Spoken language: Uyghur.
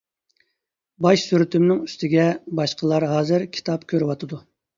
باش سۈرىتىمنىڭ ئۈستىگە باشقىلار ھازىر كىتاب كۆرۈۋاتىدۇ!